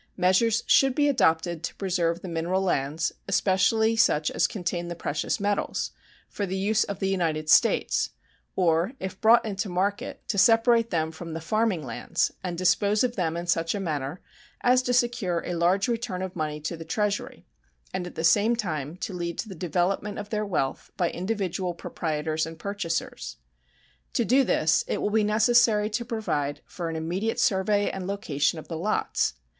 Measures should be adopted to preserve the mineral lands, especially such as contain the precious metals, for the use of the United States, or, if brought into market, to separate them from the farming lands and dispose of them in such manner as to secure a large return of money to the Treasury and at the same time to lead to the development of their wealth by individual proprietors and purchasers. To do this it will be necessary to provide for an immediate survey and location of the lots.